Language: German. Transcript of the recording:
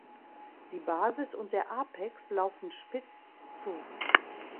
Die Basis und der Apex laufen spitz zu.